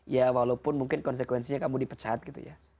ya walaupun mungkin konsekuensinya kamu dipecat gitu ya